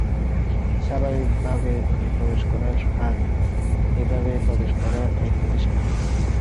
স্বাভাবিকভাবে রুমে প্রবেশ করা আর এভাবে প্রবেশ করা এক জিনিস না।